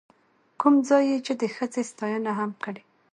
کوم ځاى يې چې د ښځې ستاينه هم کړې،،